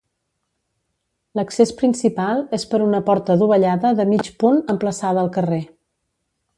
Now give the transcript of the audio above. L'accés principal és per una porta dovellada de mig punt emplaçada al carrer.